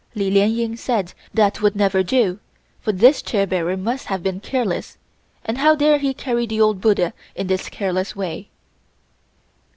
Li Lien Ying said that would never do, for this chair bearer must have been careless, and how dare he carry the Old Buddha in this careless way.